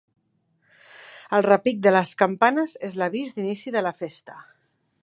El repic de les campanes és l'avís d'inici de la festa.